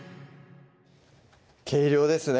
計量ですね